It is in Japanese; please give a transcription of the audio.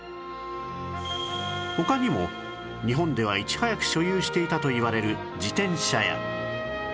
他にも日本ではいち早く所有していたといわれる自転車や